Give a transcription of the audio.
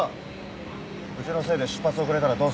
うちのせいで出発遅れたらどうすんだよ。